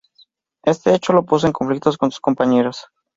Este hecho lo puso en conflicto con sus compañeros.